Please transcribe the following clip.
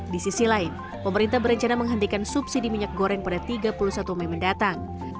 di sisi lain pemerintah berencana menghentikan subsidi minyak goreng pada tiga puluh satu mei mendatang